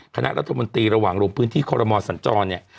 คณะรัฐมนตรีระหว่างลงพื้นที่คอรมอสัญจรเนี่ย